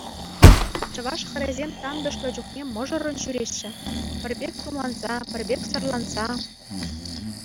Чӑваш хӗрӗсем тантӑшлӑ чухне мӑшӑррӑн ҫӳреҫҫӗ, пӗр пек тумланса, пӗр пек сӑрланса.